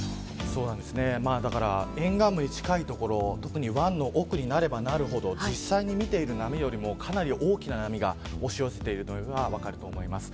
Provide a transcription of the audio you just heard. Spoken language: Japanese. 沿岸部に近い所特に湾の奥になればなるほど実際に見ている波よりもかなり大きな波が押し寄せているのが分かると思います。